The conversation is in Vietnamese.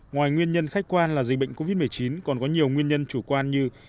ngoài nguyên nhân khách quan là dịch bệnh covid một mươi chín còn có nhiều nguyên nhân chủ quan như